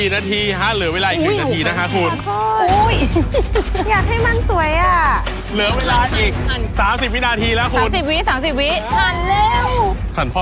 ๑๔นาทีครับหรือเวลาอีก๑นาทีครับคุณ